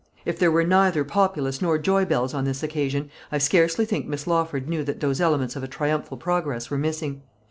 If there were neither populace nor joy bells on this occasion, I scarcely think Miss Lawford knew that those elements of a triumphal progress were missing.